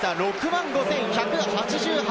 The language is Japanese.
６万５１８８人。